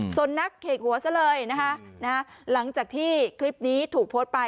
ส่วนนักเขกหัวซะเลยนะคะหลังจากที่คลิปนี้ถูกโพสต์ไป